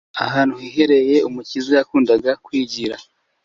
ahantu hiherereye Umukiza yakundaga kwigira,